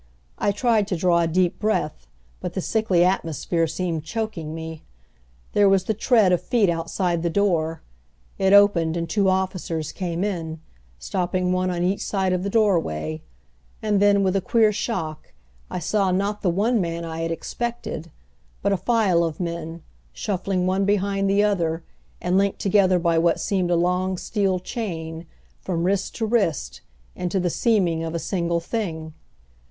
I tried to draw a deep breath, but the sickly atmosphere seemed choking me. There was the tread of feet outside the door; it opened and two officers came in, stopping one on each side of the doorway; and then, with a queer shock, I saw not the one man I had expected, but a file of men, shuffling one behind the other, and linked together by what seemed a long steel chain, from wrist to wrist, into the seeming of a single thing.